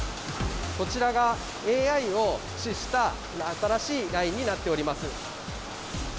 こちらがＡＩを駆使した新しいラインになっております。